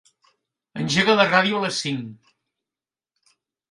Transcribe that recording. Engega la ràdio a les cinc.